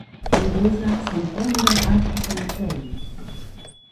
Η Λίζα σαν πάντα άρχισε να κλαίγει